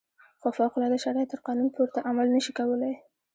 خو فوق العاده شرایط تر قانون پورته عمل نه شي کولای.